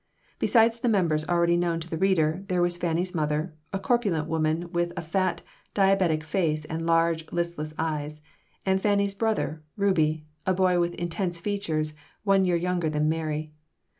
Besides the members already known to the reader, there was Fanny's mother, a corpulent woman with a fat, diabetic face and large, listless eyes, and Fanny's brother, Rubie, a boy with intense features, one year younger than Mary.